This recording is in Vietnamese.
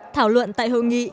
thảo luận tại hội nghị